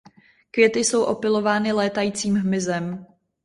Květy jsou opylovány létajícím hmyzem.